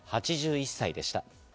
８１歳でした。